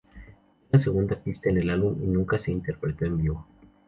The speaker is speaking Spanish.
Es la segunda pista en el álbum y nunca se interpretó en vivo.